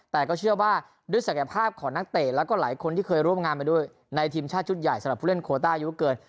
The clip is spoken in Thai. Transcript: แต่ก็เชื่อว่าด้วยศักยภาพของนักเตะแล้วก็หลายคนที่เคยร่วมงานไปด้วยในทีมชาติชุดใหญ่สำหรับผู้เล่นโคต้าอายุเกิน